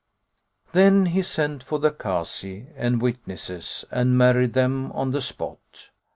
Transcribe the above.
Then he sent for the Kazi and witnesses and married them on the spot.